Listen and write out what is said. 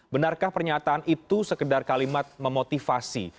benarkah pernyataan itu sekedar kalimat memotivasi